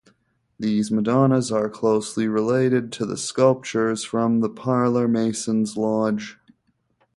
These Madonnas are closely related to the sculptures from the Parler masons’ lodge.